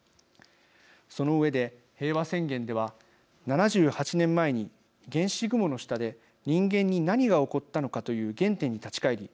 その上で、平和宣言では７８年前に原子雲の下で人間に何が起こったのかという原点に立ち返り